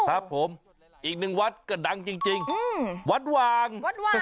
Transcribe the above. ครับผมอีกหนึ่งวัดก็ดังจริงวัดวางวัดวาง